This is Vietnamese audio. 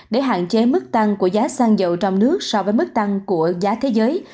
để hạn chế mức tăng của giá xăng dầu trong nước so với mức tăng của giá thế giới